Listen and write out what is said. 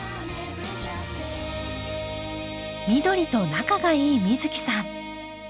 緑と仲がいい美月さん。